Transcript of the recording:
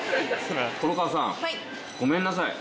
黒川さんごめんなさい。